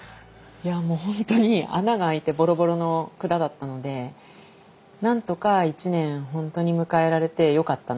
いやもう本当に穴が開いてボロボロの蔵だったのでなんとか１年本当に迎えられてよかったなっていう。